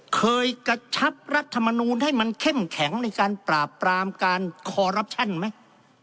เคยกระชับรัฐมนูลให้มันเข้มแข็งในการปราบปรามการคอรับชั่นไหม